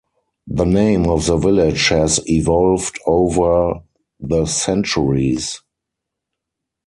The name of the village has evolved over the centuries.